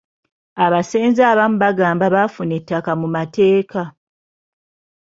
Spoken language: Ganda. Abasenze abamu bagamba baafuna ettaka mu mateeka.